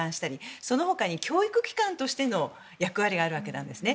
そのほかにも教育機関の役割があるわけなんですね。